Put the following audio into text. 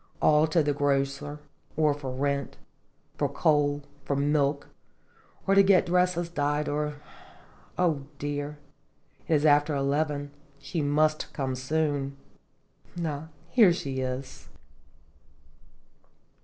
all to the grocer, or for rent, for coal, for milk, or to get dresses dyed, or O dear! it is after eleven j she must come soon. Ah! here she is."